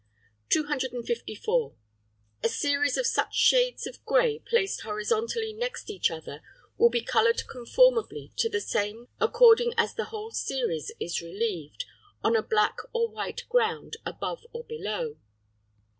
254. A series of such shades of grey placed horizontally next each other will be coloured conformably to the same law according as the whole series is relieved, on a black or white ground above or below.